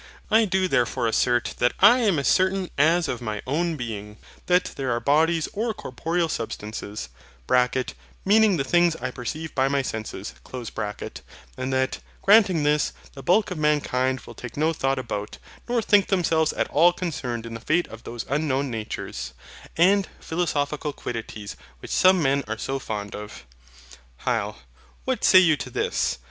I do therefore assert that I am as certain as of my own being, that there are bodies or corporeal substances (meaning the things I perceive by my senses); and that, granting this, the bulk of mankind will take no thought about, nor think themselves at all concerned in the fate of those unknown natures, and philosophical quiddities, which some men are so fond of. HYL. What say you to this?